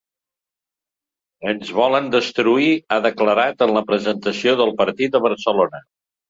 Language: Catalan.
Ens volen destruir, ha declarat en la presentació del partit a Barcelona.